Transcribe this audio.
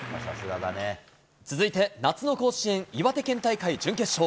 続いて夏の甲子園、岩手県大会準決勝。